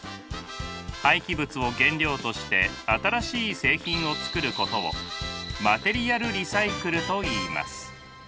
廃棄物を原料として新しい製品を作ることをマテリアルリサイクルといいます。